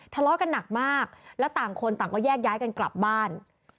ทะเลาะกันหนักมากแล้วต่างคนต่างก็แยกย้ายกันกลับบ้าน